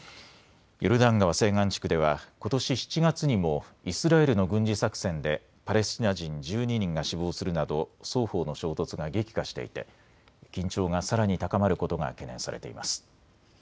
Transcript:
ヨルダン川西岸地区ではことし７月にもイスラエルの軍事作戦でパレスチナ人１２人が死亡するなど双方の衝突が激化していて緊張がさらに高まることが懸念されています。